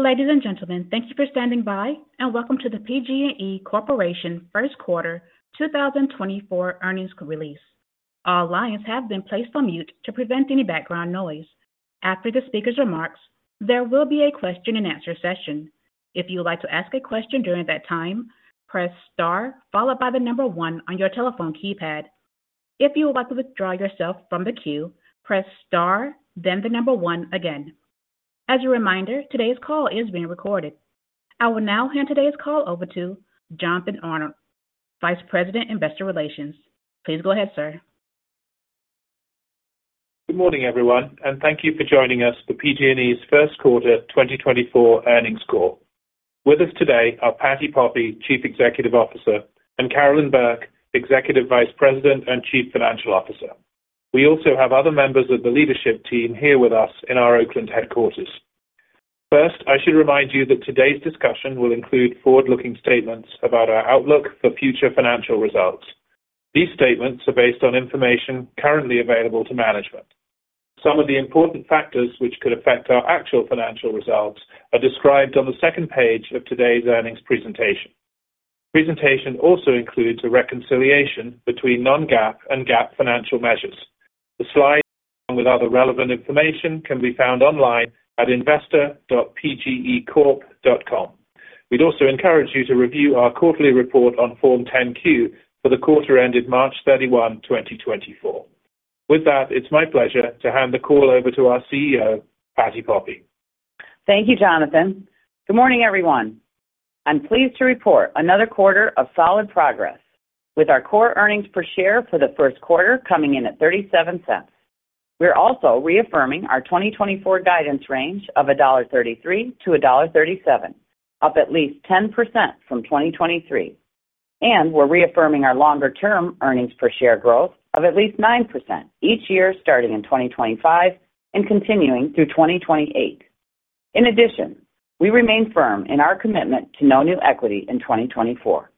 Ladies and gentlemen, thank you for standing by and welcome to the PG&E Corporation first quarter 2024 earnings release. All lines have been placed on mute to prevent any background noise. After the speaker's remarks, there will be a question-and-answer session. If you would like to ask a question during that time, press star followed by the number one on your telephone keypad. If you would like to withdraw yourself from the queue, press star then the number one again. As a reminder, today's call is being recorded. I will now hand today's call over to Jonathan Arnold, Vice President of Investor Relations. Please go ahead, sir. Good morning, everyone, and thank you for joining us for PG&E's first quarter 2024 earnings call. With us today are Patti Poppe, Chief Executive Officer, and Carolyn Burke, Executive Vice President and Chief Financial Officer. We also have other members of the leadership team here with us in our Oakland headquarters. First, I should remind you that today's discussion will include forward-looking statements about our outlook for future financial results. These statements are based on information currently available to management. Some of the important factors which could affect our actual financial results are described on the second page of today's earnings presentation. The presentation also includes a reconciliation between non-GAAP and GAAP financial measures. The slides, along with other relevant information, can be found online at investor.pgecorp.com. We'd also encourage you to review our quarterly report on Form 10-Q for the quarter ended March 31, 2024. With that, it's my pleasure to hand the call over to our CEO, Patti Poppe. Thank you, Jonathan. Good morning, everyone. I'm pleased to report another quarter of solid progress, with our core earnings per share for the first quarter coming in at $0.37. We're also reaffirming our 2024 guidance range of $1.33-$1.37, up at least 10% from 2023. We're reaffirming our longer-term earnings per share growth of at least 9% each year starting in 2025 and continuing through 2028. In addition, we remain firm in our commitment to no new equity in 2024.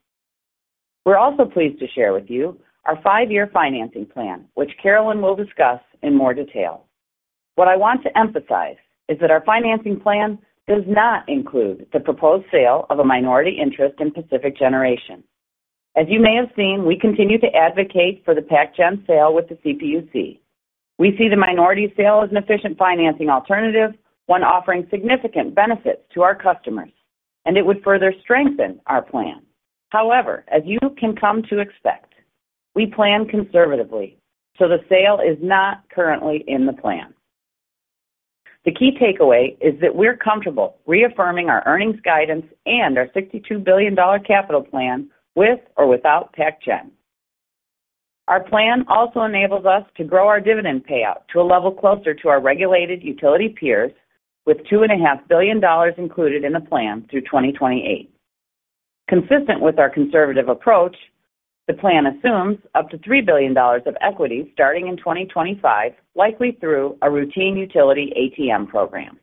We're also pleased to share with you our five-year financing plan, which Carolyn will discuss in more detail. What I want to emphasize is that our financing plan does not include the proposed sale of a minority interest in Pacific Generation. As you may have seen, we continue to advocate for the PacGen sale with the CPUC. We see the minority sale as an efficient financing alternative, one offering significant benefits to our customers, and it would further strengthen our plan. However, as you can come to expect, we plan conservatively, so the sale is not currently in the plan. The key takeaway is that we're comfortable reaffirming our earnings guidance and our $62 billion capital plan with or without PacGen. Our plan also enables us to grow our dividend payout to a level closer to our regulated utility peers, with $2.5 billion included in the plan through 2028. Consistent with our conservative approach, the plan assumes up to $3 billion of equity starting in 2025, likely through a routine utility ATM program.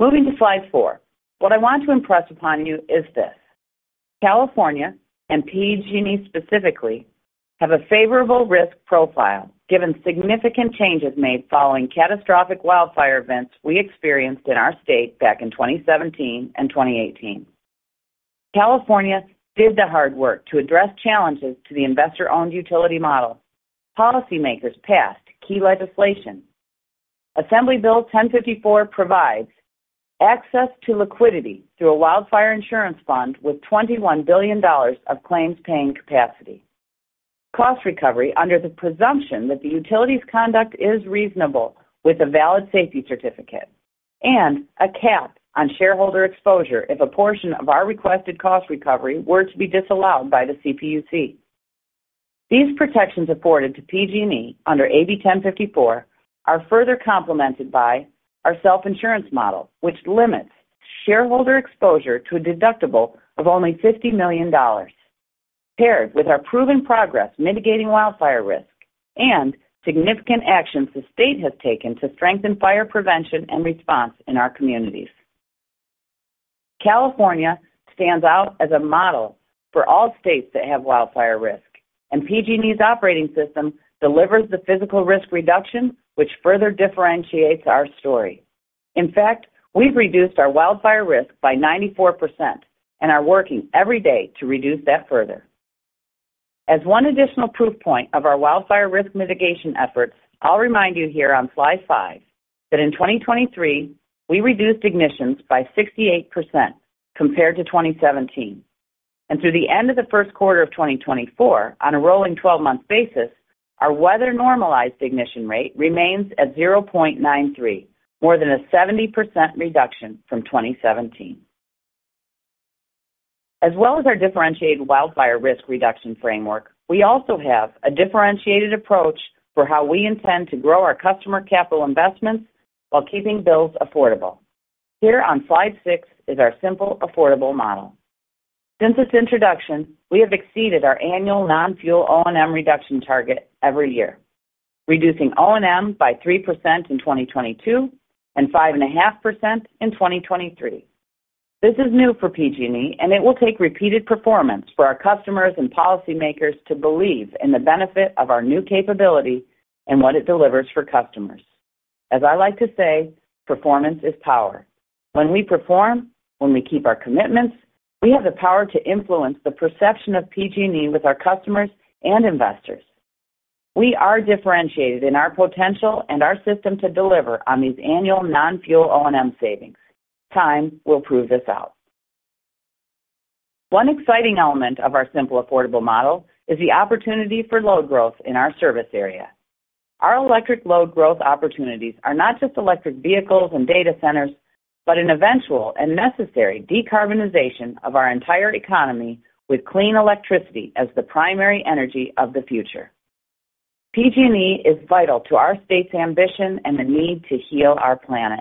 Moving to slide four, what I want to impress upon you is this: California and PG&E specifically have a favorable risk profile given significant changes made following catastrophic wildfire events we experienced in our state back in 2017 and 2018. California did the hard work to address challenges to the investor-owned utility model. Policymakers passed key legislation. Assembly Bill 1054 provides access to liquidity through a wildfire insurance fund with $21 billion of claims-paying capacity, cost recovery under the presumption that the utility's conduct is reasonable with a valid safety certificate, and a cap on shareholder exposure if a portion of our requested cost recovery were to be disallowed by the CPUC. These protections afforded to PG&E under AB 1054 are further complemented by our self-insurance model, which limits shareholder exposure to a deductible of only $50 million, paired with our proven progress mitigating wildfire risk and significant actions the state has taken to strengthen fire prevention and response in our communities. California stands out as a model for all states that have wildfire risk, and PG&E's operating system delivers the physical risk reduction, which further differentiates our story. In fact, we've reduced our wildfire risk by 94%, and are working every day to reduce that further. As one additional proof point of our wildfire risk mitigation efforts, I'll remind you here on slide five that in 2023, we reduced ignitions by 68% compared to 2017. Through the end of the first quarter of 2024, on a rolling 12-month basis, our weather-normalized ignition rate remains at 0.93, more than a 70% reduction from 2017. As well as our differentiated wildfire risk reduction framework, we also have a differentiated approach for how we intend to grow our customer capital investments while keeping bills affordable. Here on slide six is our Simple, Affordable Model. Since its introduction, we have exceeded our annual non-fuel O&M reduction target every year, reducing O&M by 3% in 2022 and 5.5% in 2023. This is new for PG&E, and it will take repeated performance for our customers and policymakers to believe in the benefit of our new capability and what it delivers for customers. As I like to say, performance is power. When we perform, when we keep our commitments, we have the power to influence the perception of PG&E with our customers and investors. We are differentiated in our potential and our system to deliver on these annual non-fuel O&M savings. Time will prove this out. One exciting element of our Simple, Affordable Model is the opportunity for load growth in our service area. Our electric load growth opportunities are not just electric vehicles and data centers, but an eventual and necessary decarbonization of our entire economy with clean electricity as the primary energy of the future. PG&E is vital to our state's ambition and the need to heal our planet.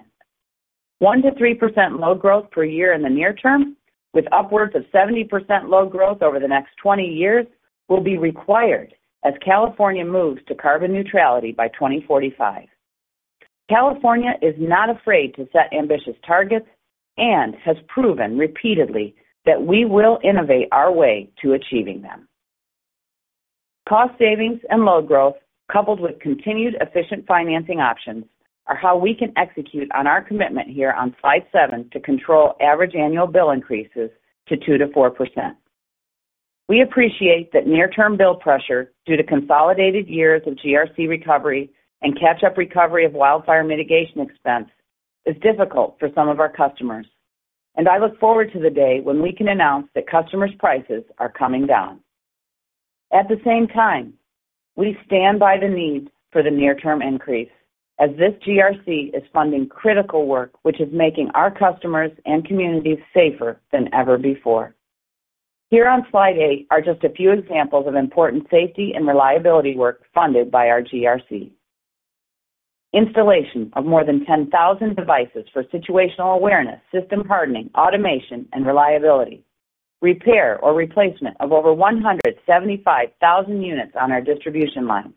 1%-3% load growth per year in the near term, with upwards of 70% load growth over the next 20 years, will be required as California moves to carbon neutrality by 2045. California is not afraid to set ambitious targets and has proven repeatedly that we will innovate our way to achieving them. Cost savings and load growth, coupled with continued efficient financing options, are how we can execute on our commitment here on slide seven to control average annual bill increases to 2%-4%. We appreciate that near-term bill pressure due to consolidated years of GRC recovery and catch-up recovery of wildfire mitigation expense is difficult for some of our customers, and I look forward to the day when we can announce that customers' prices are coming down. At the same time, we stand by the need for the near-term increase as this GRC is funding critical work which is making our customers and communities safer than ever before. Here on slide eight are just a few examples of important safety and reliability work funded by our GRC: installation of more than 10,000 devices for situational awareness, system hardening, automation, and reliability. Repair or replacement of over 175,000 units on our distribution lines.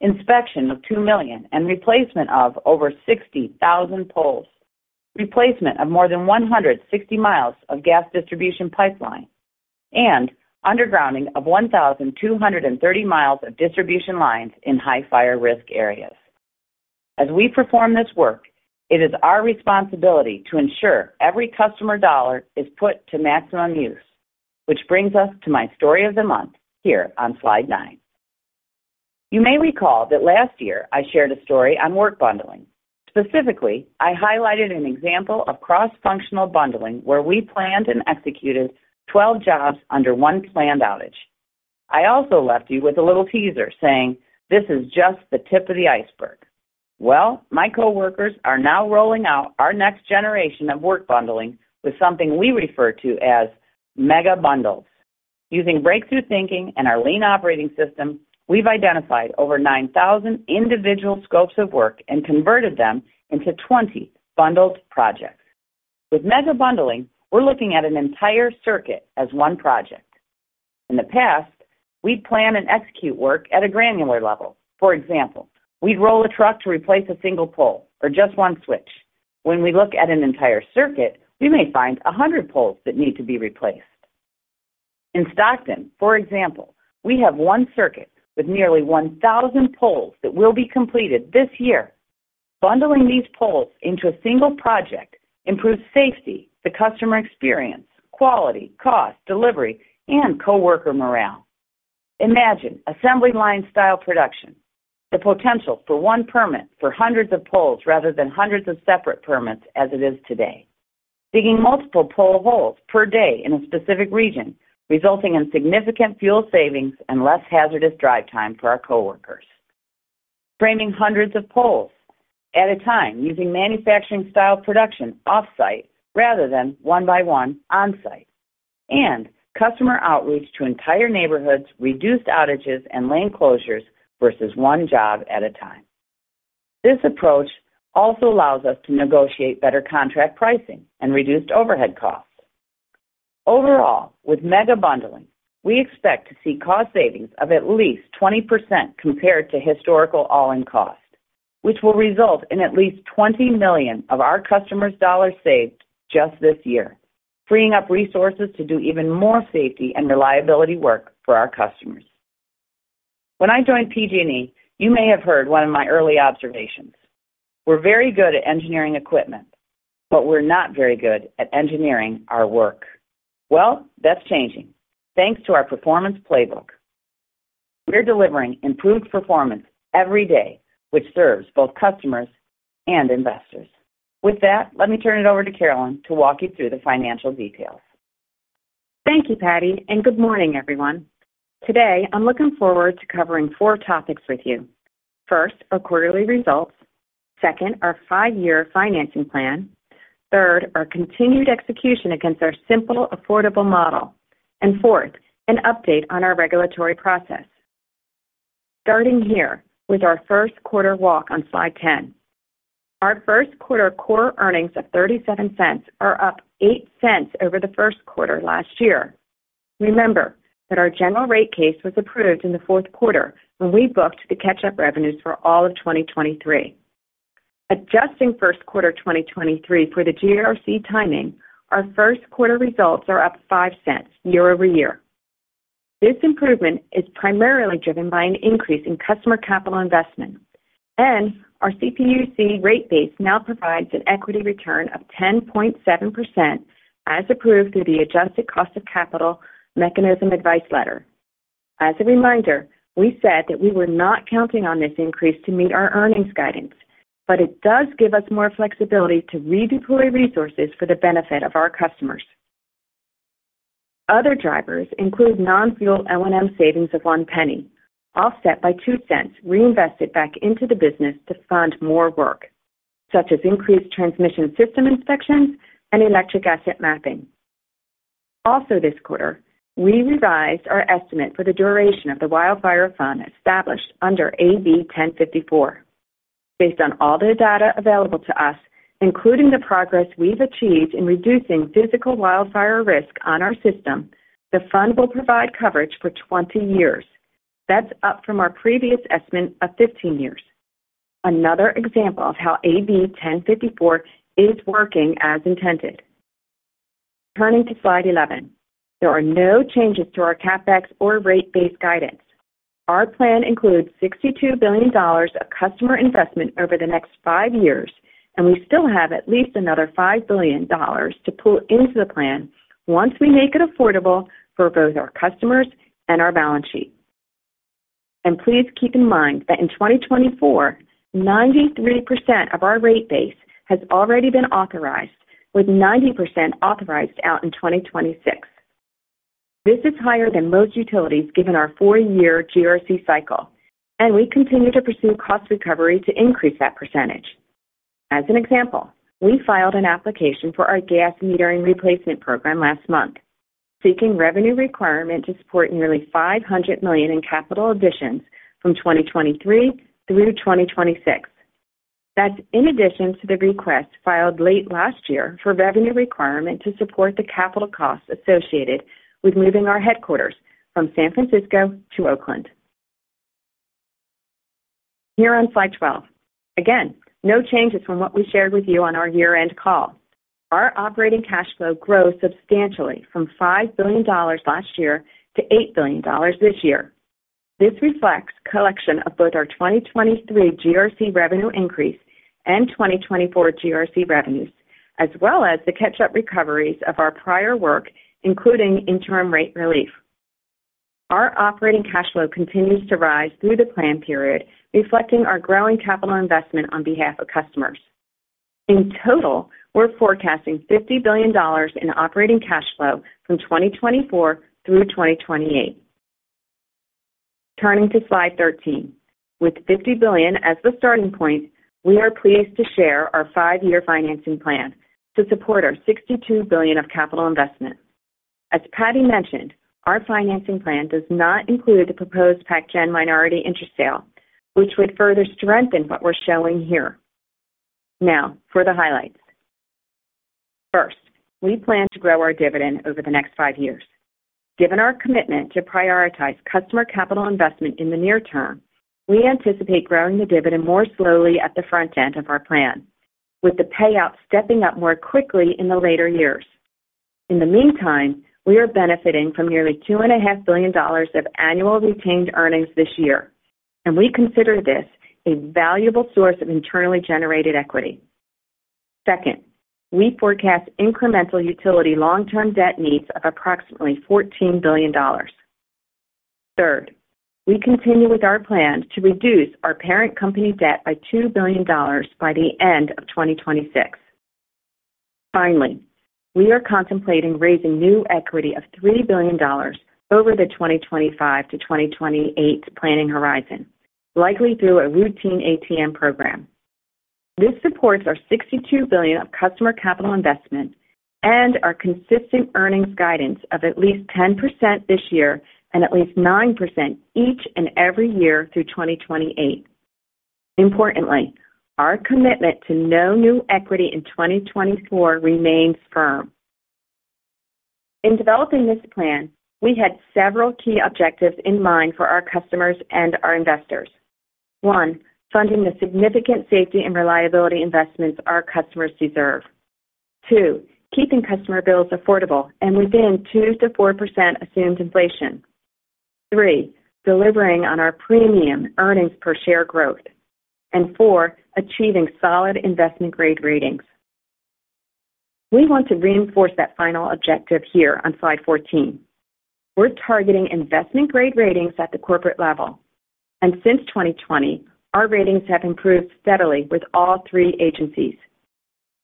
Inspection of two million and replacement of over 60,000 poles. Replacement of more than 160 mi of gas distribution pipeline. And undergrounding of 1,230 mi of distribution lines in high-fire risk areas. As we perform this work, it is our responsibility to ensure every customer dollar is put to maximum use, which brings us to my story of the month here on slide nine. You may recall that last year I shared a story on work bundling. Specifically, I highlighted an example of cross-functional bundling where we planned and executed 12 jobs under one planned outage. I also left you with a little teaser saying, "This is just the tip of the iceberg." Well, my coworkers are now rolling out our next generation of work bundling with something we refer to as Mega-Bundles. Using breakthrough thinking and our Lean Operating System, we've identified over 9,000 individual scopes of work and converted them into 20 bundled projects. With Mega-Bundling, we're looking at an entire circuit as one project. In the past, we'd plan and execute work at a granular level. For example, we'd roll a truck to replace a single pole or just one switch. When we look at an entire circuit, we may find 100 poles that need to be replaced. In Stockton, for example, we have one circuit with nearly 1,000 poles that will be completed this year. Bundling these poles into a single project improves safety, the customer experience, quality, cost, delivery, and coworker morale. Imagine assembly line-style production, the potential for one permit for hundreds of poles rather than hundreds of separate permits as it is today, digging multiple pole holes per day in a specific region, resulting in significant fuel savings and less hazardous drive time for our coworkers. Framing hundreds of poles at a time using manufacturing-style production off-site rather than one-by-one on-site. And customer outreach to entire neighborhoods, reduced outages, and lane closures versus one job at a time. This approach also allows us to negotiate better contract pricing and reduced overhead costs. Overall, with Mega-Bundling, we expect to see cost savings of at least 20% compared to historical all-in cost, which will result in at least $20 million of our customers' dollars saved just this year, freeing up resources to do even more safety and reliability work for our customers. When I joined PG&E, you may have heard one of my early observations: we're very good at engineering equipment, but we're not very good at engineering our work. Well, that's changing, thanks to our Performance Playbook. We're delivering improved performance every day, which serves both customers and investors. With that, let me turn it over to Carolyn to walk you through the financial details. Thank you, Patti, and good morning, everyone. Today, I'm looking forward to covering four topics with you. First, our quarterly results. Second, our five-year financing plan. Third, our continued execution against our Simple, Affordable Model. Fourth, an update on our regulatory process. Starting here with our first quarter walk on slide 10. Our first quarter core earnings of $0.37 are up $0.08 over the first quarter last year. Remember that our general rate case was approved in the fourth quarter when we booked the catch-up revenues for all of 2023. Adjusting first quarter 2023 for the GRC timing, our first quarter results are up $0.05 year-over-year. This improvement is primarily driven by an increase in customer capital investment. Our CPUC rate base now provides an equity return of 10.7% as approved through the Adjusted Cost of Capital Mechanism advice letter. As a reminder, we said that we were not counting on this increase to meet our earnings guidance, but it does give us more flexibility to redeploy resources for the benefit of our customers. Other drivers include non-fuel O&M savings of $0.01, offset by $0.02 reinvested back into the business to fund more work, such as increased transmission system inspections and electric asset mapping. Also, this quarter, we revised our estimate for the duration of the Wildfire Fund established under AB 1054. Based on all the data available to us, including the progress we've achieved in reducing physical wildfire risk on our system, the fund will provide coverage for 20 years. That's up from our previous estimate of 15 years. Another example of how AB 1054 is working as intended. Turning to slide 11. There are no changes to our capex or rate base guidance. Our plan includes $62 billion of customer investment over the next five years, and we still have at least another $5 billion to pull into the plan once we make it affordable for both our customers and our balance sheet. Please keep in mind that in 2024, 93% of our rate base has already been authorized, with 90% authorized out in 2026. This is higher than most utilities given our four-year GRC cycle, and we continue to pursue cost recovery to increase that percentage. As an example, we filed an application for our gas metering replacement program last month, seeking revenue requirement to support nearly $500 million in capital additions from 2023 through 2026. That's in addition to the request filed late last year for revenue requirement to support the capital costs associated with moving our headquarters from San Francisco to Oakland. Here on slide 12. Again, no changes from what we shared with you on our year-end call. Our operating cash flow grew substantially from $5 billion last year to $8 billion this year. This reflects the collection of both our 2023 GRC revenue increase and 2024 GRC revenues, as well as the catch-up recoveries of our prior work, including interim rate relief. Our operating cash flow continues to rise through the plan period, reflecting our growing capital investment on behalf of customers. In total, we're forecasting $50 billion in operating cash flow from 2024 through 2028. Turning to slide 13. With $50 billion as the starting point, we are pleased to share our five-year financing plan to support our $62 billion of capital investment. As Patti mentioned, our financing plan does not include the proposed PacGen minority interest sale, which would further strengthen what we're showing here. Now, for the highlights. First, we plan to grow our dividend over the next five years. Given our commitment to prioritize customer capital investment in the near term, we anticipate growing the dividend more slowly at the front end of our plan, with the payout stepping up more quickly in the later years. In the meantime, we are benefiting from nearly $2.5 billion of annual retained earnings this year, and we consider this a valuable source of internally generated equity. Second, we forecast incremental utility long-term debt needs of approximately $14 billion. Third, we continue with our plans to reduce our parent company debt by $2 billion by the end of 2026. Finally, we are contemplating raising new equity of $3 billion over the 2025 to 2028 planning horizon, likely through a routine ATM program. This supports our $62 billion of customer capital investment and our consistent earnings guidance of at least 10% this year and at least 9% each and every year through 2028. Importantly, our commitment to no new equity in 2024 remains firm. In developing this plan, we had several key objectives in mind for our customers and our investors. One, funding the significant safety and reliability investments our customers deserve. Two, keeping customer bills affordable and within 2%-4% assumed inflation. Three, delivering on our premium earnings per share growth. And four, achieving solid investment-grade ratings. We want to reinforce that final objective here on slide 14. We're targeting investment-grade ratings at the corporate level, and since 2020, our ratings have improved steadily with all three agencies.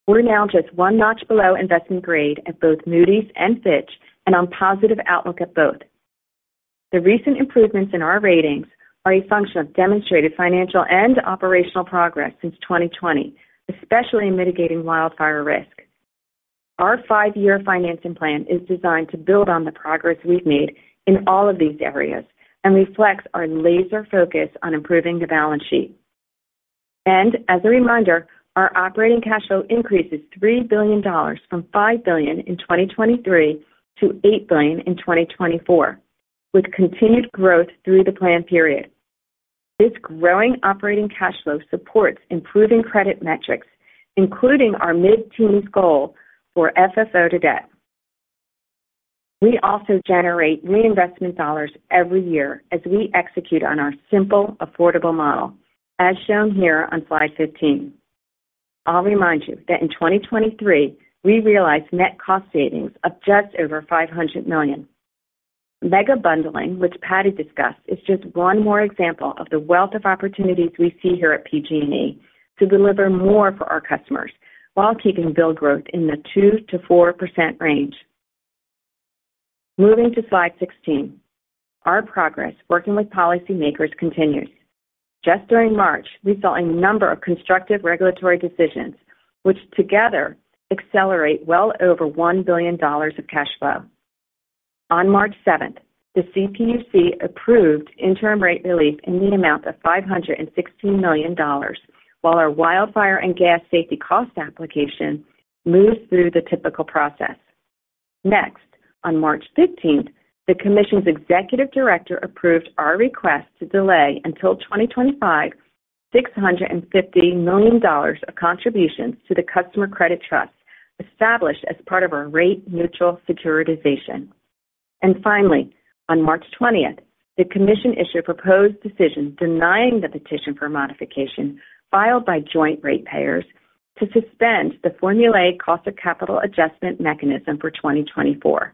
We're now just one notch below investment grade at both Moody's and Fitch and on positive outlook at both. The recent improvements in our ratings are a function of demonstrated financial and operational progress since 2020, especially in mitigating wildfire risk. Our five-year financing plan is designed to build on the progress we've made in all of these areas and reflects our laser focus on improving the balance sheet. As a reminder, our operating cash flow increases $3 billion from $5 billion in 2023 to $8 billion in 2024, with continued growth through the plan period. This growing operating cash flow supports improving credit metrics, including our mid-teens goal for FFO to debt. We also generate reinvestment dollars every year as we execute on our Simple, Affordable Model, as shown here on slide 15. I'll remind you that in 2023, we realized net cost savings of just over $500 million. Mega-Bundling, which Patti discussed, is just one more example of the wealth of opportunities we see here at PG&E to deliver more for our customers while keeping bill growth in the 2%-4% range. Moving to slide 16. Our progress working with policymakers continues. Just during March, we saw a number of constructive regulatory decisions, which together accelerate well over $1 billion of cash flow. On March 7th, the CPUC approved interim rate relief in the amount of $516 million, while our wildfire and gas safety cost application moves through the typical process. Next, on March 15th, the Commission's executive director approved our request to delay until 2025 $650 million of contributions to the Customer Credit Trust established as part of our rate-neutral securitization. And finally, on March 20th, the Commission issued a proposed decision denying the petition for modification filed by joint ratepayers to suspend the Cost of Capital Adjustment Mechanism for 2024.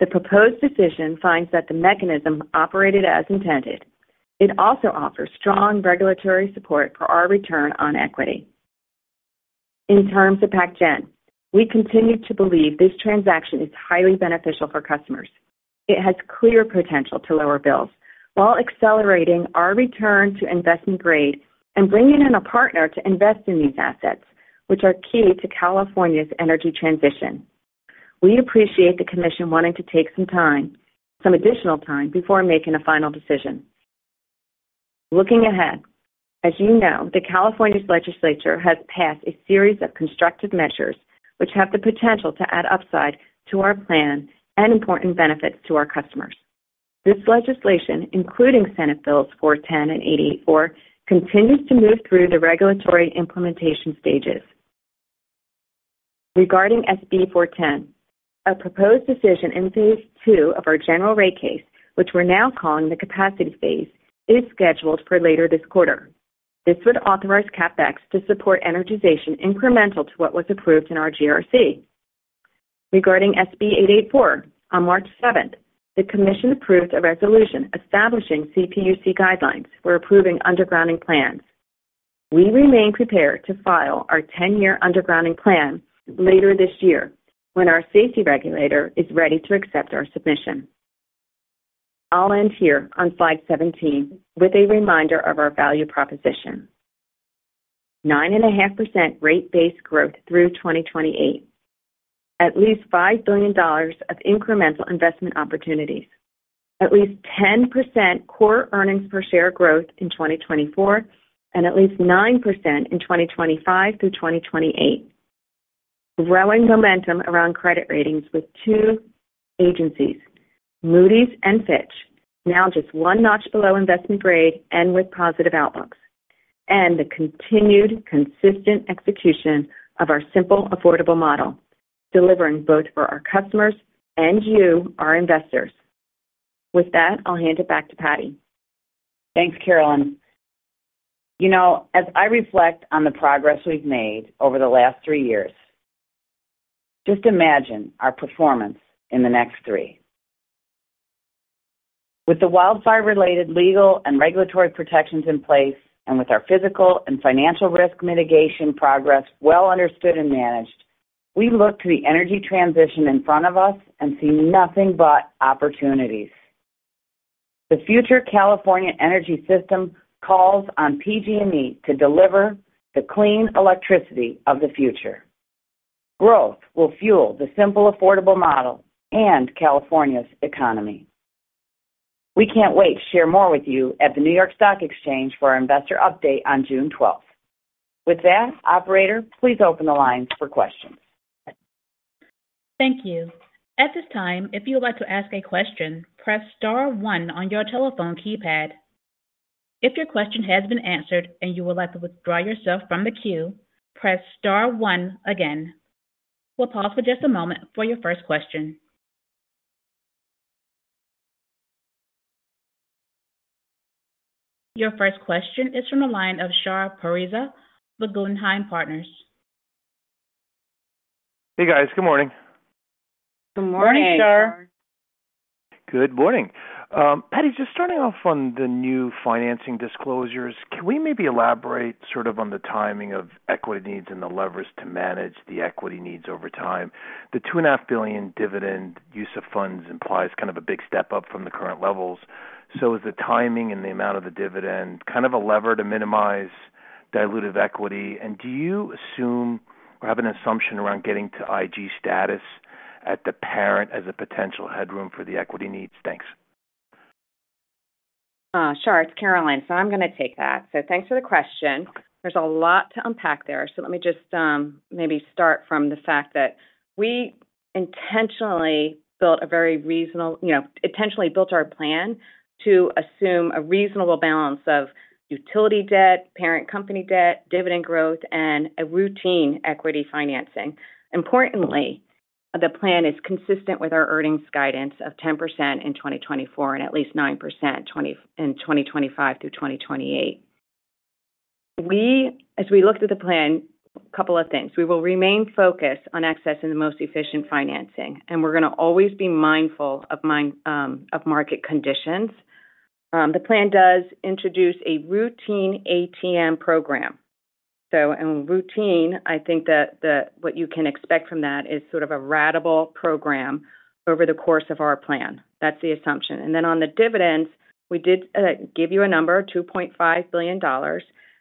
The proposed decision finds that the mechanism operated as intended. It also offers strong regulatory support for our return on equity. In terms of PacGen, we continue to believe this transaction is highly beneficial for customers. It has clear potential to lower bills while accelerating our return to investment grade and bringing in a partner to invest in these assets, which are key to California's energy transition. We appreciate the Commission wanting to take some time, some additional time before making a final decision. Looking ahead. As you know, California's legislature has passed a series of constructive measures, which have the potential to add upside to our plan and important benefits to our customers. This legislation, including Senate Bills 410 and 884, continues to move through the regulatory implementation stages. Regarding SB 410, a proposed decision in phase two of our general rate case, which we're now calling the Capacity Phase, is scheduled for later this quarter. This would authorize CapEx to support energization incremental to what was approved in our GRC. Regarding SB 884, on March 7th, the Commission approved a resolution establishing CPUC guidelines for approving undergrounding plans. We remain prepared to file our 10-year undergrounding plan later this year when our safety regulator is ready to accept our submission. I'll end here on slide 17 with a reminder of our value proposition. 9.5% rate-based growth through 2028. At least $5 billion of incremental investment opportunities. At least 10% core earnings per share growth in 2024 and at least 9% in 2025 through 2028. Growing momentum around credit ratings with two agencies, Moody's and Fitch, now just one notch below investment grade and with positive outlooks. And the continued, consistent execution of our Simple, Affordable Model, delivering both for our customers and you, our investors. With that, I'll hand it back to Patti. Thanks, Carolyn. As I reflect on the progress we've made over the last three years, just imagine our performance in the next three. With the wildfire-related legal and regulatory protections in place and with our physical and financial risk mitigation progress well understood and managed, we look to the energy transition in front of us and see nothing but opportunities. The future California energy system calls on PG&E to deliver the clean electricity of the future. Growth will fuel the Simple, Affordable Model and California's economy. We can't wait to share more with you at the New York Stock Exchange for our investor update on June 12th. With that, operator, please open the lines for questions. Thank you. At this time, if you would like to ask a question, press star one on your telephone keypad. If your question has been answered and you would like to withdraw yourself from the queue, press star one again. We'll pause for just a moment for your first question. Your first question is from the line of Shar Pourreza, Guggenheim Partners. Hey, guys. Good morning. Good morning. Morning, Shar. Good morning. Patti, just starting off on the new financing disclosures, can we maybe elaborate sort of on the timing of equity needs and the levers to manage the equity needs over time? The $2.5 billion dividend use of funds implies kind of a big step up from the current levels. So is the timing and the amount of the dividend kind of a lever to minimize diluted equity? And do you assume or have an assumption around getting to IG status at the parent as a potential headroom for the equity needs? Thanks. Sure. It's Carolyn, so I'm going to take that. So thanks for the question. There's a lot to unpack there, so let me just maybe start from the fact that we intentionally built our plan to assume a reasonable balance of utility debt, parent company debt, dividend growth, and a routine equity financing. Importantly, the plan is consistent with our earnings guidance of 10% in 2024 and at least 9% in 2025 through 2028. As we looked at the plan, a couple of things. We will remain focused on accessing the most efficient financing, and we're going to always be mindful of market conditions. The plan does introduce a routine ATM program. And routine, I think that what you can expect from that is sort of a ratable program over the course of our plan. That's the assumption. Then on the dividends, we did give you a number, $2.5 billion.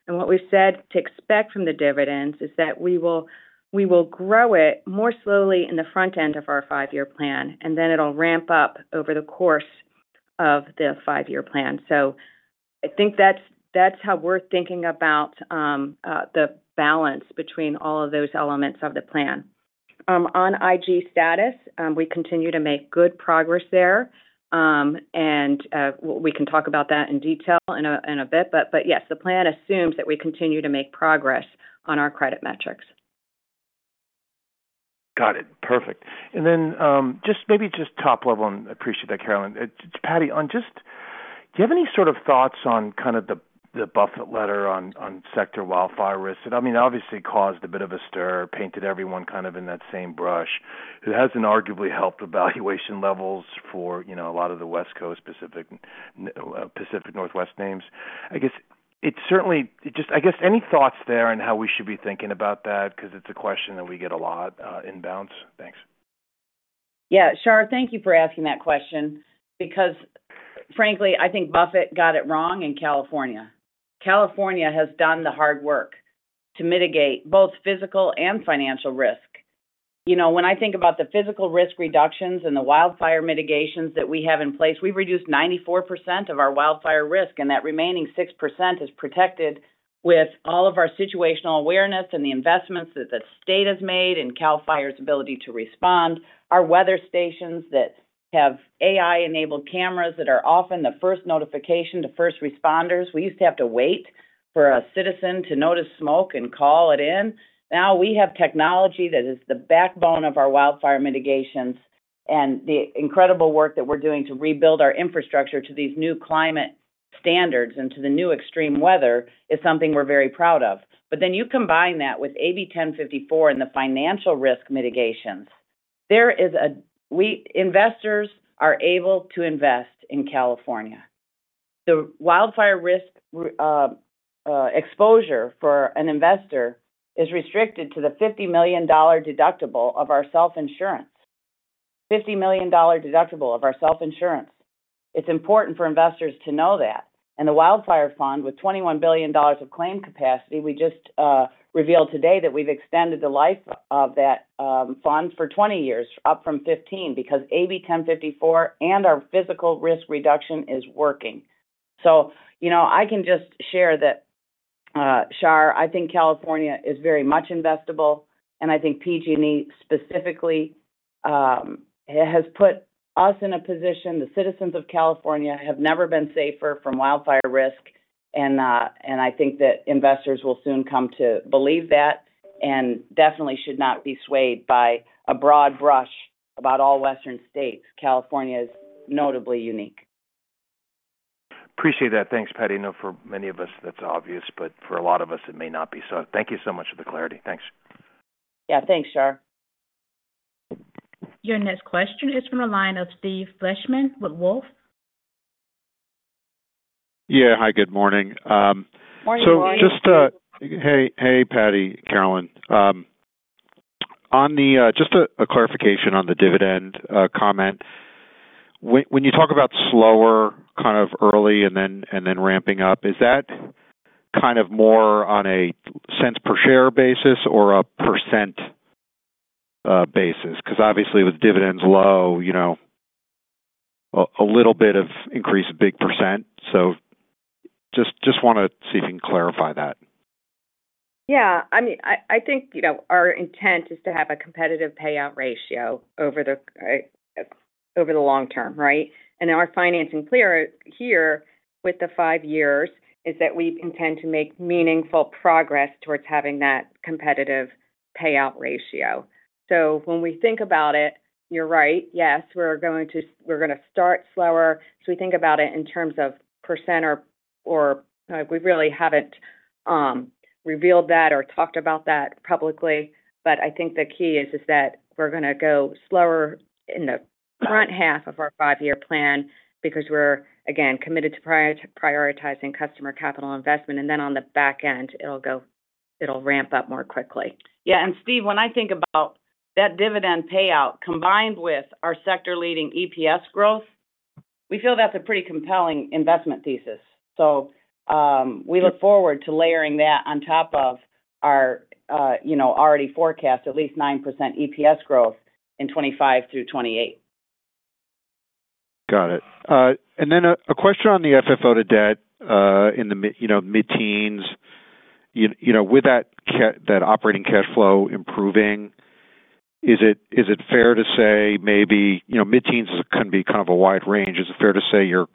What we've said to expect from the dividends is that we will grow it more slowly in the front end of our five-year plan, and then it'll ramp up over the course of the five-year plan. I think that's how we're thinking about the balance between all of those elements of the plan. On IG status, we continue to make good progress there, and we can talk about that in detail in a bit. But yes, the plan assumes that we continue to make progress on our credit metrics. Got it. Perfect. Then maybe just top level, and I appreciate that, Carolyn. Patti, do you have any sort of thoughts on kind of the Buffett letter on sector wildfire risk? I mean, obviously, it caused a bit of a stir, painted everyone kind of with that same brush. It hasn't arguably helped valuation levels for a lot of the West Coast Pacific Northwest names. I guess certainly just any thoughts there on how we should be thinking about that because it's a question that we get a lot in bounds? Thanks. Yeah. Shar, thank you for asking that question because, frankly, I think Buffett got it wrong in California. California has done the hard work to mitigate both physical and financial risk. When I think about the physical risk reductions and the wildfire mitigations that we have in place, we've reduced 94% of our wildfire risk, and that remaining 6% is protected with all of our situational awareness and the investments that the state has made in CAL FIRE's ability to respond, our weather stations that have AI-enabled cameras that are often the first notification to first responders. We used to have to wait for a citizen to notice smoke and call it in. Now we have technology that is the backbone of our wildfire mitigations, and the incredible work that we're doing to rebuild our infrastructure to these new climate standards and to the new extreme weather is something we're very proud of. But then you combine that with AB 1054 and the financial risk mitigations, there is a investors are able to invest in California. The wildfire risk exposure for an investor is restricted to the $50 million deductible of our self-insurance. $50 million deductible of our self-insurance. It's important for investors to know that. And the Wildfire Fund, with $21 billion of claim capacity, we just revealed today that we've extended the life of that fund for 20 years, up from 15 because AB 1054 and our physical risk reduction is working. So I can just share that, Shar, I think California is very much investable, and I think PG&E specifically has put us in a position. The citizens of California have never been safer from wildfire risk, and I think that investors will soon come to believe that and definitely should not be swayed by a broad brush about all Western states. California is notably unique. Appreciate that. Thanks, Patti. I know for many of us, that's obvious, but for a lot of us, it may not be. So thank you so much for the clarity. Thanks. Yeah. Thanks, Shar. Your next question is from the line of Steve Fleishman with Wolfe Research. Yeah. Hi. Good morning. Morning, Steve. So just a hey, Patti, Carolyn. Just a clarification on the dividend comment. When you talk about slower kind of early and then ramping up, is that kind of more on a cents per share basis or a percent basis? Because obviously, with dividends low, a little bit of increase is a big percent. So just want to see if you can clarify that. Yeah. I mean, I think our intent is to have a competitive payout ratio over the long term, right? And our financing clearer here with the five years is that we intend to make meaningful progress towards having that competitive payout ratio. So when we think about it, you're right. Yes, we're going to start slower. So we think about it in terms of percent or we really haven't revealed that or talked about that publicly. But I think the key is that we're going to go slower in the front half of our five-year plan because we're, again, committed to prioritizing customer capital investment. And then on the back end, it'll ramp up more quickly. Yeah. And Steve, when I think about that dividend payout combined with our sector-leading EPS growth, we feel that's a pretty compelling investment thesis. So we look forward to layering that on top of our already forecast, at least 9% EPS growth in 2025 through 2028. Got it. And then a question on the FFO to debt in the mid-teens. With that operating cash flow improving, is it fair to say maybe mid-teens can be kind of a wide range? Is it fair to say you're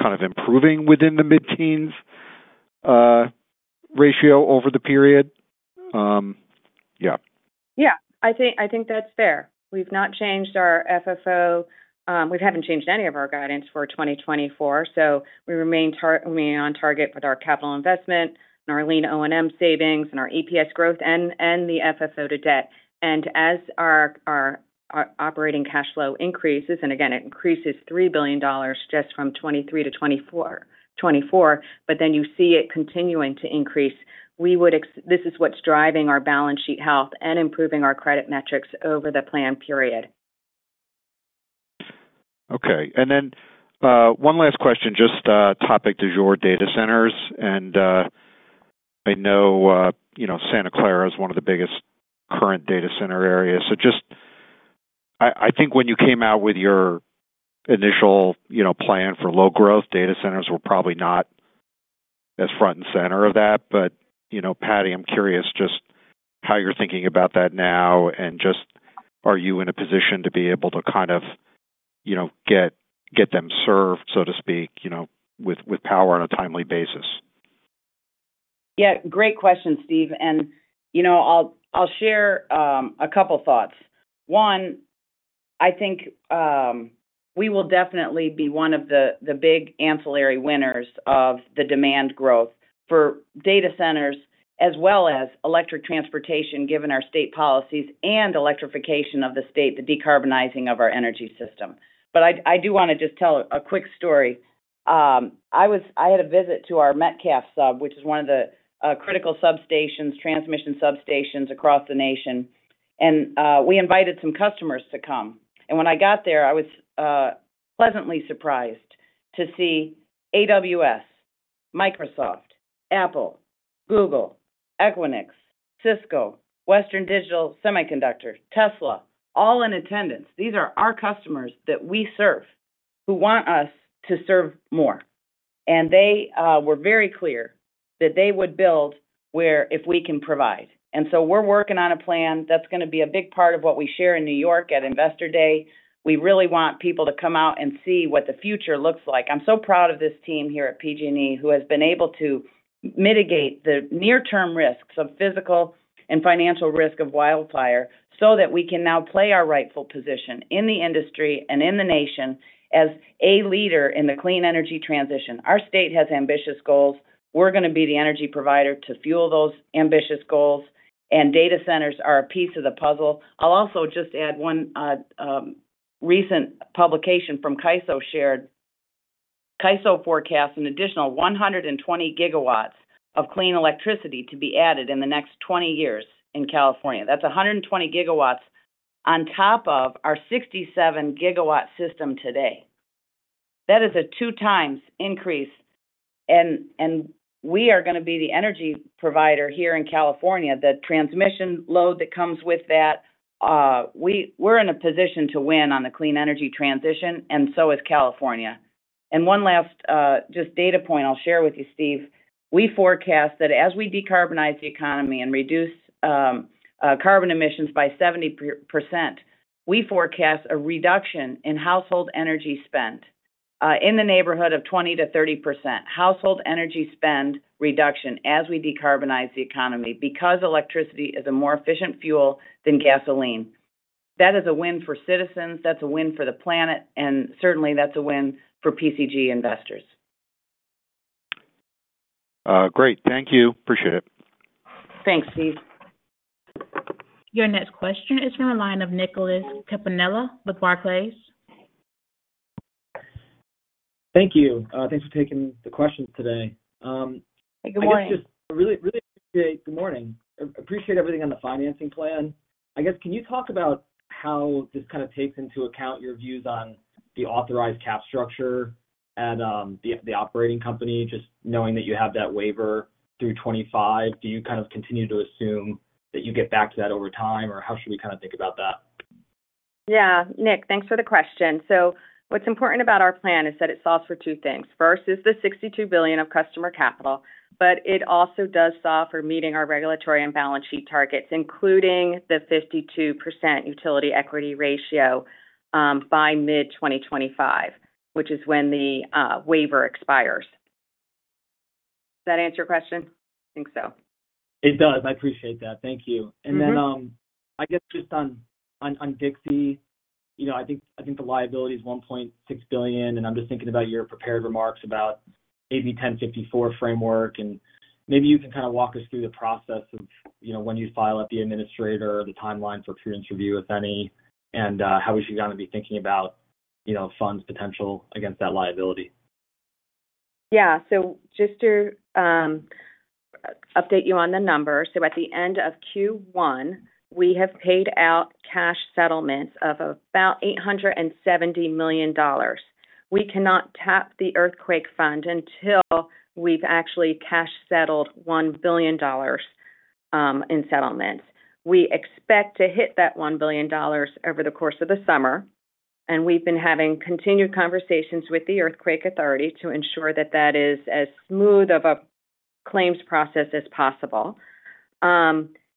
kind of improving within the mid-teens ratio over the period? Yeah. Yeah. I think that's fair. We've not changed our FFO, we haven't changed any of our guidance for 2024. So we remain on target with our capital investment, our lean O&M savings, and our EPS growth and the FFO to debt. And as our operating cash flow increases and again, it increases $3 billion just from 2023 to 2024, but then you see it continuing to increase, this is what's driving our balance sheet health and improving our credit metrics over the plan period. Okay. And then one last question, just topic du jour data centers. And I know Santa Clara is one of the biggest current data center areas. So just I think when you came out with your initial plan for load growth, data centers were probably not as front and center of that. But Patti, I'm curious just how you're thinking about that now, and just are you in a position to be able to kind of get them served, so to speak, with power on a timely basis? Yeah. Great question, Steve. And I'll share a couple of thoughts. One, I think we will definitely be one of the big ancillary winners of the demand growth for data centers as well as electric transportation, given our state policies and electrification of the state, the decarbonizing of our energy system. But I do want to just tell a quick story. I had a visit to our Metcalf sub, which is one of the critical substations, transmission substations across the nation. And we invited some customers to come. And when I got there, I was pleasantly surprised to see AWS, Microsoft, Apple, Google, Equinix, Cisco, Western Digital, Tesla, all in attendance. These are our customers that we serve who want us to serve more. And they were very clear that they would build where if we can provide. We're working on a plan that's going to be a big part of what we share in New York at Investor Day. We really want people to come out and see what the future looks like. I'm so proud of this team here at PG&E who has been able to mitigate the near-term risks of physical and financial risk of wildfire so that we can now play our rightful position in the industry and in the nation as a leader in the clean energy transition. Our state has ambitious goals. We're going to be the energy provider to fuel those ambitious goals, and data centers are a piece of the puzzle. I'll also just add one recent publication from CAISO shared. CAISO forecasts an additional 120 GW of clean electricity to be added in the next 20 years in California. That's 120 GW on top of our 67 GW system today. That is a two-times increase. We are going to be the energy provider here in California. The transmission load that comes with that, we're in a position to win on the clean energy transition, and so is California. One last just data point I'll share with you, Steve. We forecast that as we decarbonize the economy and reduce carbon emissions by 70%, we forecast a reduction in household energy spend in the neighborhood of 20%-30% household energy spend reduction as we decarbonize the economy because electricity is a more efficient fuel than gasoline. That is a win for citizens. That's a win for the planet, and certainly, that's a win for PG&E investors. Great. Thank you. Appreciate it. Thanks, Steve. Your next question is from the line of Nicholas Campanella with Barclays. Thank you. Thanks for taking the questions today. Hey. Good morning. I guess just really appreciate. Good morning. Appreciate everything on the financing plan. I guess, can you talk about how this kind of takes into account your views on the authorized capital structure at the operating company? Just knowing that you have that waiver through 2025, do you kind of continue to assume that you get back to that over time, or how should we kind of think about that? Yeah. Nick, thanks for the question. So what's important about our plan is that it solves for two things. First is the $62 billion of customer capital, but it also does solve for meeting our regulatory and balance sheet targets, including the 52% utility equity ratio by mid-2025, which is when the waiver expires. Does that answer your question? I think so. It does. I appreciate that. Thank you. And then I guess just on Dixie, I think the liability is $1.6 billion. And I'm just thinking about your prepared remarks about AB 1054 framework. And maybe you can kind of walk us through the process of when you file with the administrator, the timeline for administrative review, if any, and how we should kind of be thinking about funds' potential against that liability. Yeah. So just to update you on the number, so at the end of Q1, we have paid out cash settlements of about $870 million. We cannot tap the Wildfire Fund until we've actually cash-settled $1 billion in settlements. We expect to hit that $1 billion over the course of the summer. And we've been having continued conversations with the Earthquake Authority to ensure that that is as smooth of a claims process as possible.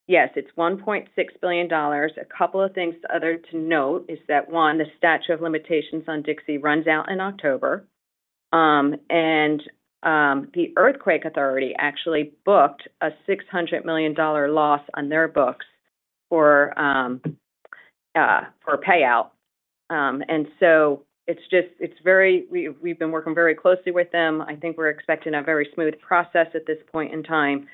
Yes, it's $1.6 billion. A couple of things other to note is that, one, the statute of limitations on Dixie runs out in October. And the Earthquake Authority actually booked a $600 million loss on their books for payout. And so it's very, we've been working very closely with them. I think we're expecting a very smooth process at this point in time.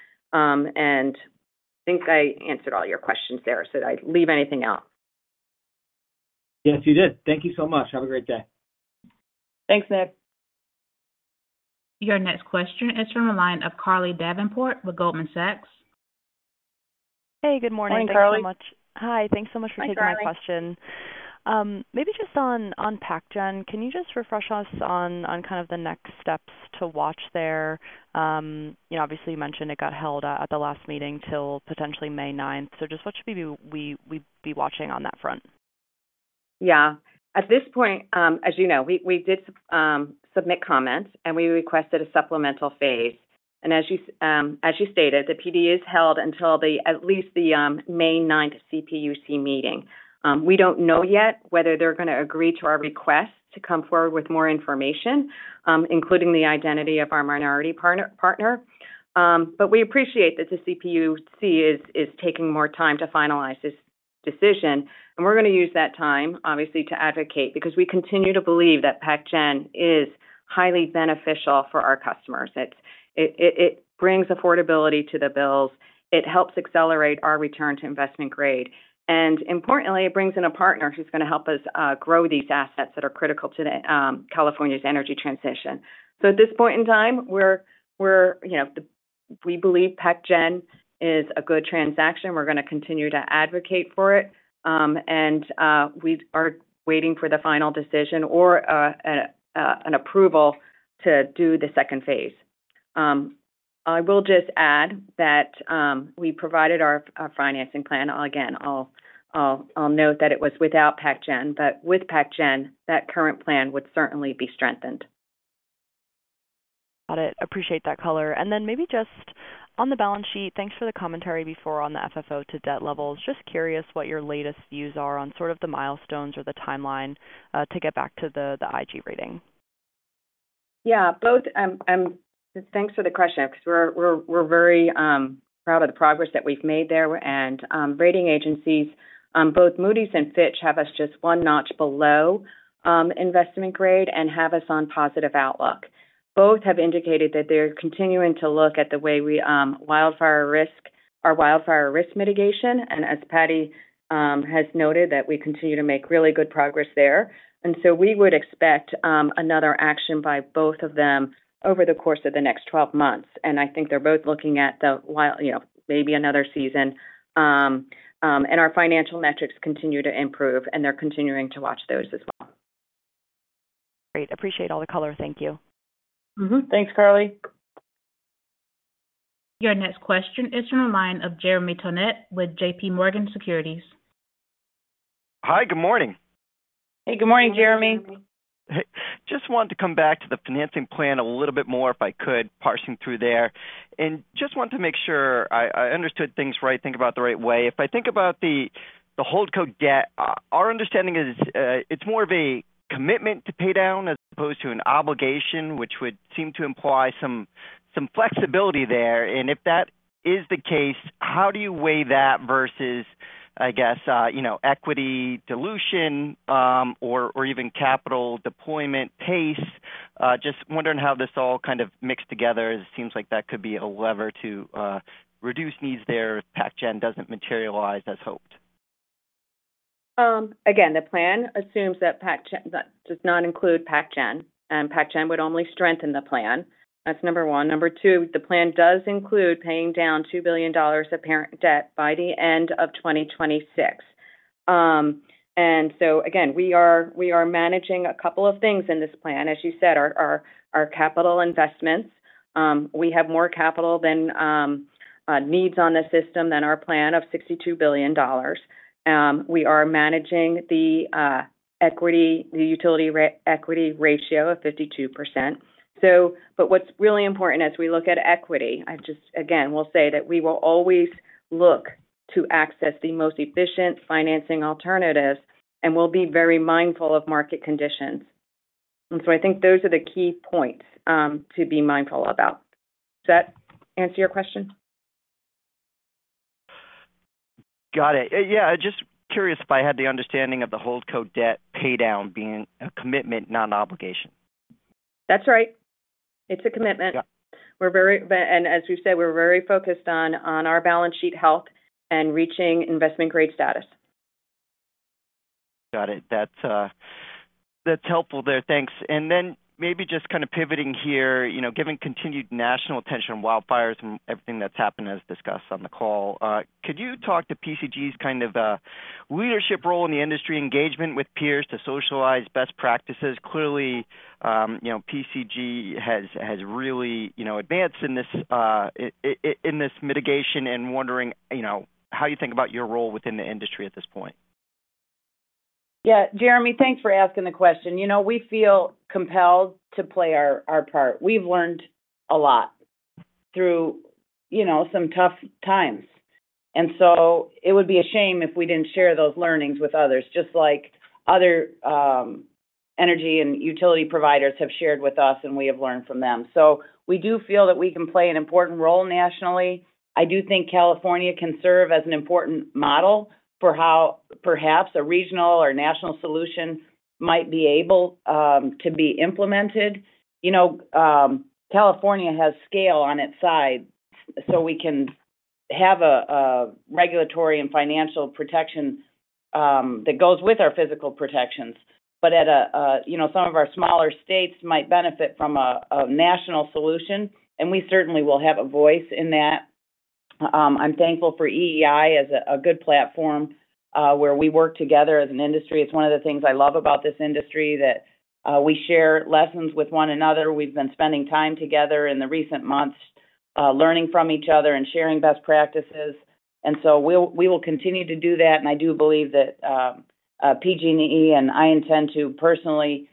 I think I answered all your questions there so that I leave anything out. Yes, you did. Thank you so much. Have a great day. Thanks, Nick. Your next question is from the line of Carly Davenport with Goldman Sachs. Hey. Good morning. Thank you so much. Morning, Carly. Hi. Thanks so much for taking my question. Hi, Carly. Maybe just PacGen, can you just refresh us on kind of the next steps to watch there? Obviously, you mentioned it got held at the last meeting till potentially May 9th. So just what should we be watching on that front? Yeah. At this point, as you know, we did submit comments, and we requested a supplemental phase. As you stated, the PD is held until at least the May 9th CPUC meeting. We don't know yet whether they're going to agree to our request to come forward with more information, including the identity of our minority partner. But we appreciate that the CPUC is taking more time to finalize this decision. We're going to use that time, obviously, to advocate because we continue to believe that PacGen is highly beneficial for our customers. It brings affordability to the bills. It helps accelerate our return to investment grade. And importantly, it brings in a partner who's going to help us grow these assets that are critical to California's energy transition. So at this point in time, we believe PacGen is a good transaction. We're going to continue to advocate for it. We are waiting for the final decision or an approval to do the second phase. I will just add that we provided our financing plan. Again, I'll note that it was without PacGen. With PacGen, that current plan would certainly be strengthened. Got it. Appreciate that color. And then maybe just on the balance sheet, thanks for the commentary before on the FFO to debt levels. Just curious what your latest views are on sort of the milestones or the timeline to get back to the IG rating. Yeah. Thanks for the question because we're very proud of the progress that we've made there. Rating agencies, both Moody's and Fitch, have us just one notch below investment grade and have us on positive outlook. Both have indicated that they're continuing to look at the way we wildfire risk our wildfire risk mitigation. As Patti has noted, we continue to make really good progress there. So we would expect another action by both of them over the course of the next 12 months. I think they're both looking at maybe another season. Our financial metrics continue to improve, and they're continuing to watch those as well. Great. Appreciate all the color. Thank you. Thanks, Carly. Your next question is from the line of Jeremy Tonet with JPMorgan Securities. Hi. Good morning. Hey. Good morning, Jeremy. Hey. Just wanted to come back to the financing plan a little bit more, if I could, parsing through there. Just wanted to make sure I understood things right, think about the right way. If I think about the holdco debt, our understanding is it's more of a commitment to pay down as opposed to an obligation, which would seem to imply some flexibility there. And if that is the case, how do you weigh that versus, I guess, equity dilution or even capital deployment pace? Just wondering how this all kind of mixes together as it seems like that could be a lever to reduce needs there if PacGen doesn't materialize as hoped. Again, the plan assumes PacGen does not PacGen would only strengthen the plan. That's one. Two, the plan does include paying down $2 billion of parent debt by the end of 2026. So again, we are managing a couple of things in this plan. As you said, our capital investments, we have more capital than needs on the system than our plan of $62 billion. We are managing the utility equity ratio of 52%. What's really important as we look at equity, I just again, will say that we will always look to access the most efficient financing alternatives, and we'll be very mindful of market conditions. So I think those are the key points to be mindful about. Does that answer your question? Got it. Yeah. Just curious if I had the understanding of the holdco debt pay down being a commitment, not an obligation. That's right. It's a commitment. As we've said, we're very focused on our balance sheet health and reaching investment-grade status. Got it. That's helpful there. Thanks. And then maybe just kind of pivoting here, given continued national attention on wildfires and everything that's happened, as discussed on the call, could you talk to PG&E's kind of leadership role in the industry, engagement with peers to socialize best practices? Clearly, PG&E has really advanced in this mitigation. And wondering how you think about your role within the industry at this point. Yeah. Jeremy, thanks for asking the question. We feel compelled to play our part. We've learned a lot through some tough times. And so it would be a shame if we didn't share those learnings with others, just like other energy and utility providers have shared with us, and we have learned from them. So we do feel that we can play an important role nationally. I do think California can serve as an important model for how perhaps a regional or national solution might be able to be implemented. California has scale on its side, so we can have a regulatory and financial protection that goes with our physical protections. But some of our smaller states might benefit from a national solution, and we certainly will have a voice in that. I'm thankful for EEI as a good platform where we work together as an industry. It's one of the things I love about this industry, that we share lessons with one another. We've been spending time together in the recent months, learning from each other and sharing best practices. So we will continue to do that. I do believe that PG&E and I intend to personally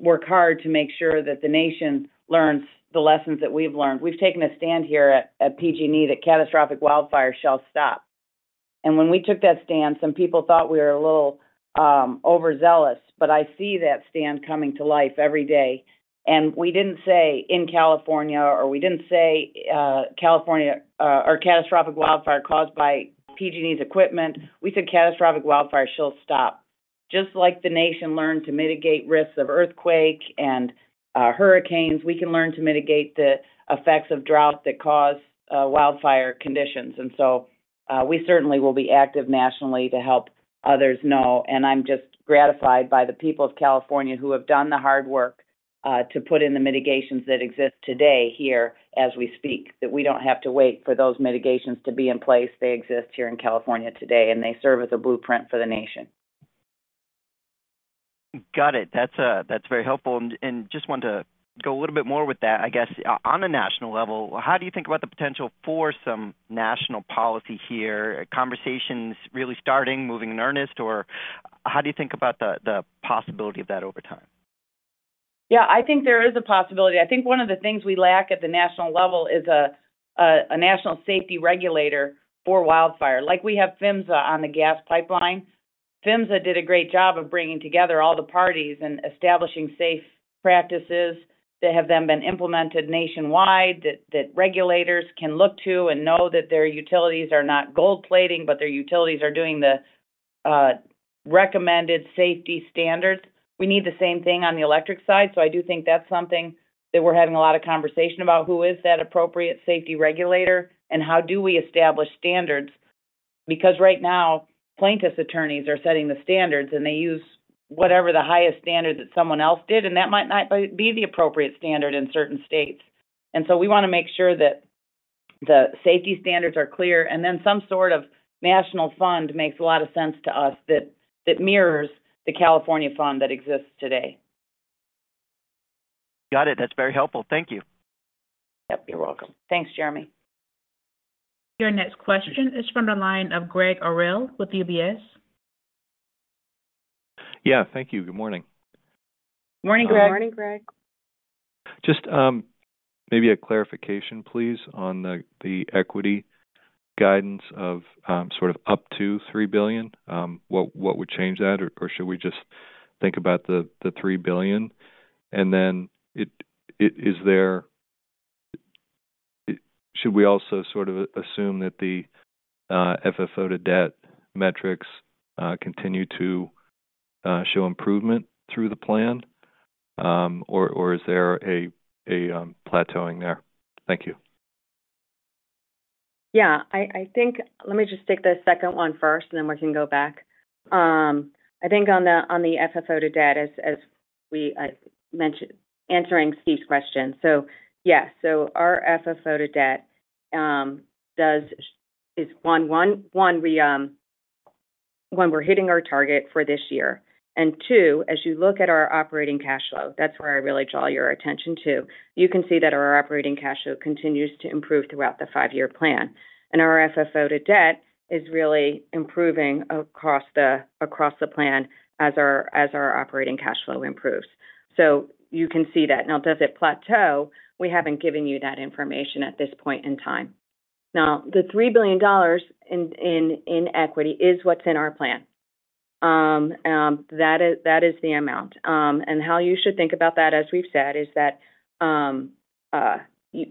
work hard to make sure that the nation learns the lessons that we've learned. We've taken a stand here at PG&E that catastrophic wildfires shall stop. When we took that stand, some people thought we were a little overzealous. But I see that stand coming to life every day. We didn't say in California, or we didn't say California or catastrophic wildfire caused by PG&E's equipment. We said, "Catastrophic wildfires shall stop." Just like the nation learned to mitigate risks of earthquake and hurricanes, we can learn to mitigate the effects of drought that cause wildfire conditions. And so we certainly will be active nationally to help others know. And I'm just gratified by the people of California who have done the hard work to put in the mitigations that exist today here as we speak, that we don't have to wait for those mitigations to be in place. They exist here in California today, and they serve as a blueprint for the nation. Got it. That's very helpful. Just wanted to go a little bit more with that, I guess. On a national level, how do you think about the potential for some national policy here? Conversations really starting, moving in earnest, or how do you think about the possibility of that over time? Yeah. I think there is a possibility. I think one of the things we lack at the national level is a national safety regulator for wildfire. We have PHMSA on the gas pipeline. PHMSA did a great job of bringing together all the parties and establishing safe practices that have then been implemented nationwide, that regulators can look to and know that their utilities are not gold plating, but their utilities are doing the recommended safety standards. We need the same thing on the electric side. So I do think that's something that we're having a lot of conversation about. Who is that appropriate safety regulator, and how do we establish standards? Because right now, plaintiffs' attorneys are setting the standards, and they use whatever the highest standard that someone else did. And that might not be the appropriate standard in certain states. And so we want to make sure that the safety standards are clear. And then some sort of national fund makes a lot of sense to us that mirrors the California fund that exists today. Got it. That's very helpful. Thank you. Yep. You're welcome. Thanks, Jeremy. Your next question is from the line of Gregg Orrill with UBS. Yeah. Thank you. Good morning. Morning, Greg. Good morning, Greg. Just maybe a clarification, please, on the equity guidance of sort of up to $3 billion. What would change that, or should we just think about the $3 billion? And then should we also sort of assume that the FFO to debt metrics continue to show improvement through the plan, or is there a plateauing there? Thank you. Yeah. Let me just take the second one first, and then we can go back. I think on the FFO to debt, as we mentioned, answering Steve's question, so yes. So our FFO to debt is, one, one, we're hitting our target for this year. And two, as you look at our operating cash flow, that's where I really draw your attention to, you can see that our operating cash flow continues to improve throughout the five-year plan. And our FFO to debt is really improving across the plan as our operating cash flow improves. So you can see that. Now, does it plateau? We haven't given you that information at this point in time. Now, the $3 billion in equity is what's in our plan. That is the amount. How you should think about that, as we've said, is that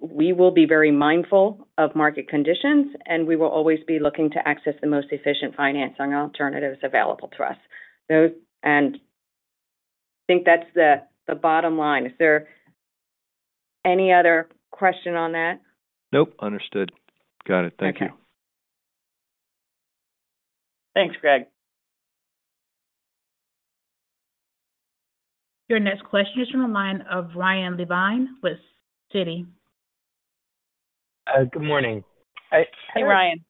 we will be very mindful of market conditions, and we will always be looking to access the most efficient financing alternatives available to us. I think that's the bottom line. Is there any other question on that? Nope. Understood. Got it. Thank you. Thanks, Greg. Your next question is from the line of Ryan Levine with Citi. Good morning. Hey, Ryan.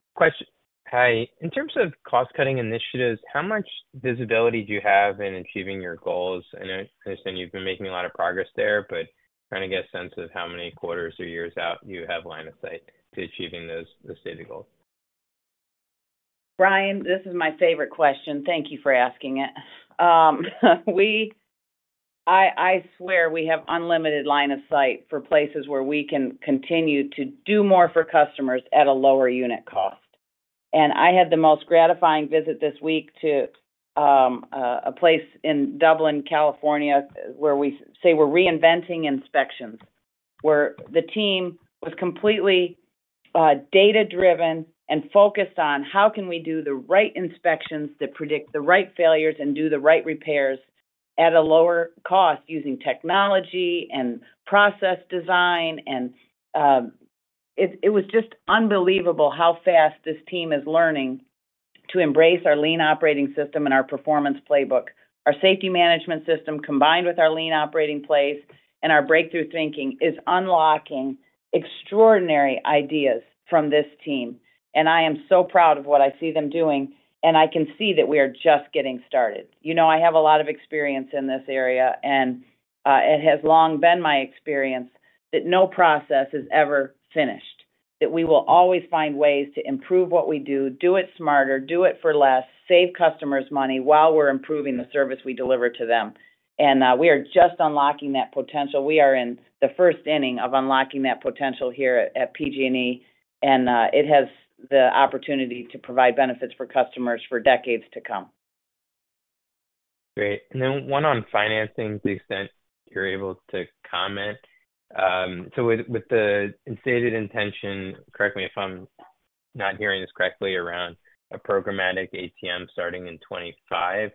Hi. In terms of cost-cutting initiatives, how much visibility do you have in achieving your goals? And I understand you've been making a lot of progress there, but trying to get a sense of how many quarters or years out you have line of sight to achieving the stated goals. Ryan, this is my favorite question. Thank you for asking it. I swear we have unlimited line of sight for places where we can continue to do more for customers at a lower unit cost. And I had the most gratifying visit this week to a place in Dublin, California, where we say we're reinventing inspections, where the team was completely data-driven and focused on how can we do the right inspections that predict the right failures and do the right repairs at a lower cost using technology and process design. And it was just unbelievable how fast this team is learning to embrace our Lean Operating System and our Performance Playbook. Our Safety Management System, combined with our Lean Operating System and our breakthrough thinking, is unlocking extraordinary ideas from this team. And I am so proud of what I see them doing. I can see that we are just getting started. I have a lot of experience in this area, and it has long been my experience that no process is ever finished, that we will always find ways to improve what we do, do it smarter, do it for less, save customers money while we're improving the service we deliver to them. We are just unlocking that potential. We are in the first inning of unlocking that potential here at PG&E. It has the opportunity to provide benefits for customers for decades to come. Great. And then one on financing, to the extent you're able to comment. So with the stated intention—correct me if I'm not hearing this correctly—around a programmatic ATM starting in 2025,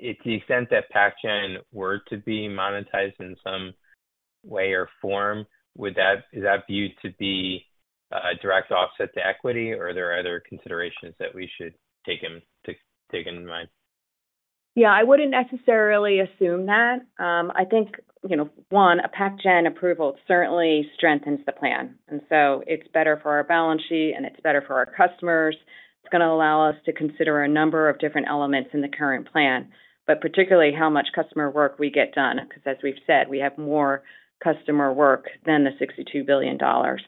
to the extent that PacGen were to be monetized in some way or form, is that viewed to be a direct offset to equity, or are there other considerations that we should take into mind? Yeah. I wouldn't necessarily assume that. I think, one, a PacGen approval certainly strengthens the plan. And so it's better for our balance sheet, and it's better for our customers. It's going to allow us to consider a number of different elements in the current plan, but particularly how much customer work we get done. Because as we've said, we have more customer work than the $62 billion. And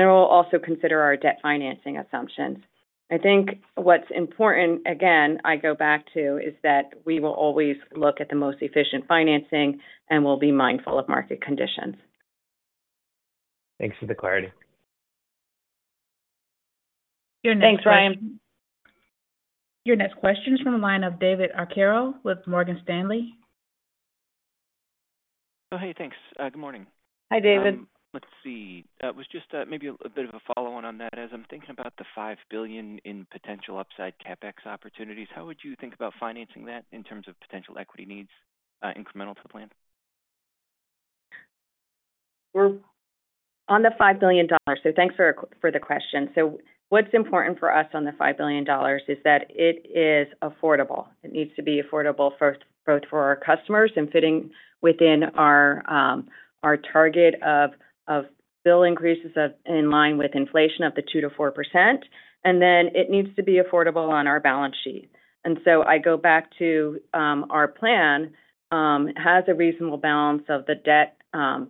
then we'll also consider our debt financing assumptions. I think what's important, again, I go back to, is that we will always look at the most efficient financing and will be mindful of market conditions. Thanks for the clarity. Your next question. Thanks, Ryan. Your next question is from the line of David Arcaro with Morgan Stanley. Oh, hey. Thanks. Good morning. Hi, David. Let's see. It was just maybe a bit of a follow-on on that. As I'm thinking about the $5 billion in potential upside CapEx opportunities, how would you think about financing that in terms of potential equity needs incremental to the plan? We're on the $5 billion. So thanks for the question. So what's important for us on the $5 billion is that it is affordable. It needs to be affordable both for our customers and fitting within our target of bill increases in line with inflation of the 2%-4%. And then it needs to be affordable on our balance sheet. And so I go back to our plan, has a reasonable balance of the debt,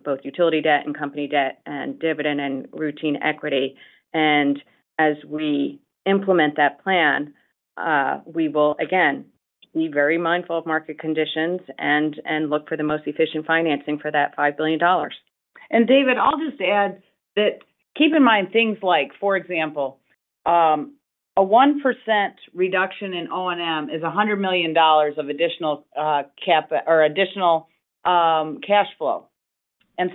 both utility debt and company debt and dividend and routine equity. And as we implement that plan, we will, again, be very mindful of market conditions and look for the most efficient financing for that $5 billion. And David, I'll just add that keep in mind things like, for example, a 1% reduction in O&M is $100 million of additional cash flow.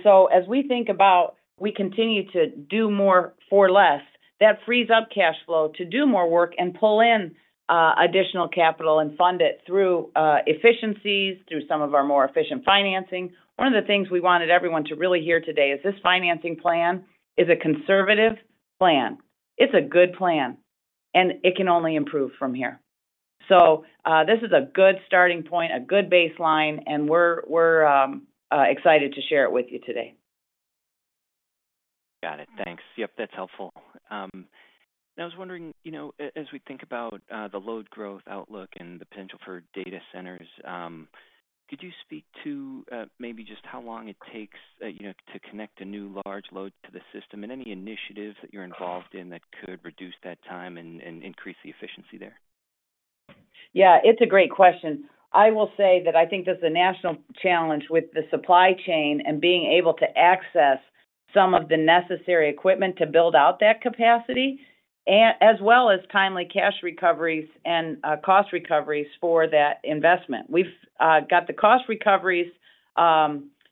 So as we think about we continue to do more for less, that frees up cash flow to do more work and pull in additional capital and fund it through efficiencies, through some of our more efficient financing. One of the things we wanted everyone to really hear today is this financing plan is a conservative plan. It's a good plan, and it can only improve from here. So this is a good starting point, a good baseline, and we're excited to share it with you today. Got it. Thanks. Yep. That's helpful. I was wondering, as we think about the load growth outlook and the potential for data centers, could you speak to maybe just how long it takes to connect a new large load to the system and any initiatives that you're involved in that could reduce that time and increase the efficiency there? Yeah. It's a great question. I will say that I think there's a national challenge with the supply chain and being able to access some of the necessary equipment to build out that capacity, as well as timely cash recoveries and cost recoveries for that investment. We've got the cost recoveries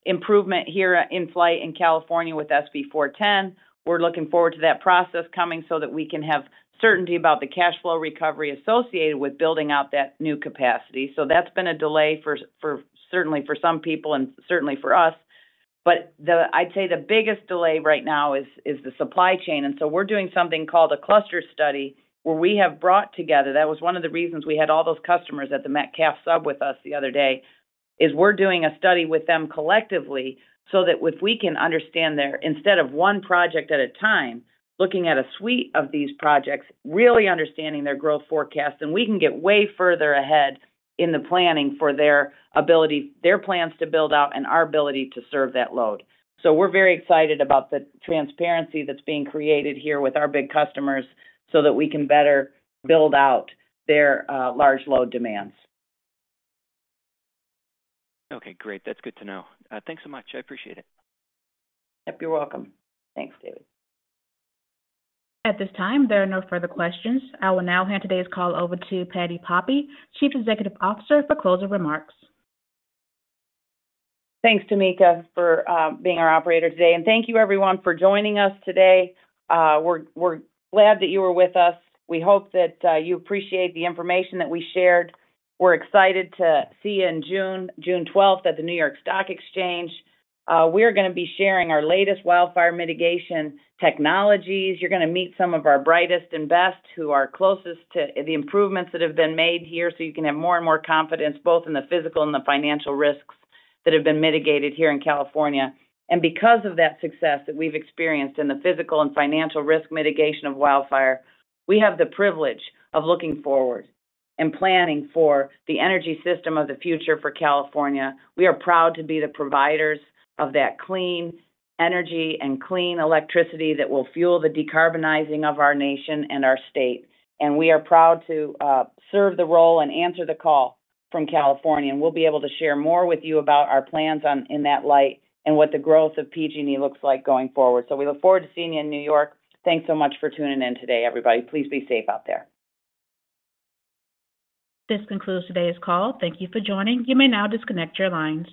improvement here in flight in California with SB 410. We're looking forward to that process coming so that we can have certainty about the cash flow recovery associated with building out that new capacity. So that's been a delay, certainly for some people and certainly for us. But I'd say the biggest delay right now is the supply chain. And so we're doing something called a cluster study where we have brought together. That was one of the reasons we had all those customers at the Metcalf Sub with us the other day, is we're doing a study with them collectively so that if we can understand their instead of one project at a time, looking at a suite of these projects, really understanding their growth forecast, then we can get way further ahead in the planning for their plans to build out and our ability to serve that load. So we're very excited about the transparency that's being created here with our big customers so that we can better build out their large load demands. Okay. Great. That's good to know. Thanks so much. I appreciate it. Yep. You're welcome. Thanks, David. At this time, there are no further questions. I will now hand today's call over to Patti Poppe, Chief Executive Officer, for closing remarks. Thanks, Tameka, for being our operator today. Thank you, everyone, for joining us today. We're glad that you were with us. We hope that you appreciate the information that we shared. We're excited to see you on June 12th, at the New York Stock Exchange. We are going to be sharing our latest wildfire mitigation technologies. You're going to meet some of our brightest and best who are closest to the improvements that have been made here so you can have more and more confidence both in the physical and the financial risks that have been mitigated here in California. Because of that success that we've experienced in the physical and financial risk mitigation of wildfire, we have the privilege of looking forward and planning for the energy system of the future for California. We are proud to be the providers of that clean energy and clean electricity that will fuel the decarbonizing of our nation and our state. We are proud to serve the role and answer the call from California. We'll be able to share more with you about our plans in that light and what the growth of PG&E looks like going forward. We look forward to seeing you in New York. Thanks so much for tuning in today, everybody. Please be safe out there. This concludes today's call. Thank you for joining. You may now disconnect your lines.